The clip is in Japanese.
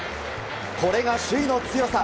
これが首位の強さ。